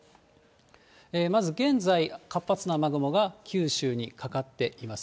まず、現在、活発な雨雲が九州にかかっています。